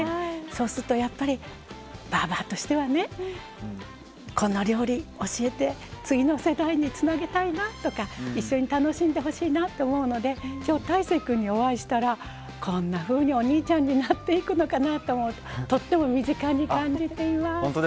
そうすると、やっぱりばぁばとしては、この料理教えて次の世代につなげたいなとか一緒に楽しんでほしいなって思うので今日、大晴君にお会いしたらこんなふうにお兄ちゃんになっていくのかなと思ってとっても身近に感じています。